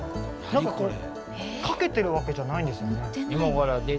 何かこれかけてるわけじゃないんですよね？